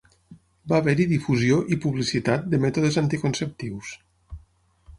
Va haver-hi difusió i publicitat de mètodes anticonceptius.